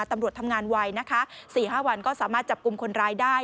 ตำรวจทำงานไวนะคะ๔๕วันก็สามารถจับกลุ่มคนร้ายได้